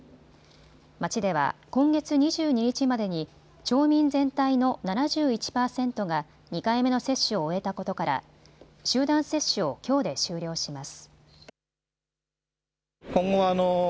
町では今月２２日までに町民全体の７１％が２回目の接種を終えたことから集団接種をきょうで終了します。